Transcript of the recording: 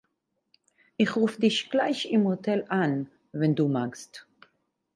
Ich ruf dich gleich im Hotel an, wenn du magst.